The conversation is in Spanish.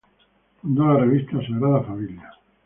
Fundó la revista "Sagrada Familia".